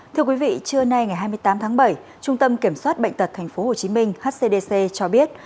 thưa quý vị trưa nay ngày hai mươi tám tháng bảy trung tâm kiểm soát bệnh tật tp hcm hcdc cho biết